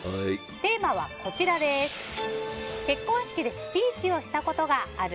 テーマは、結婚式でスピーチをしたことがある？